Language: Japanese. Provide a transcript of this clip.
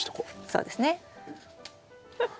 そうですね。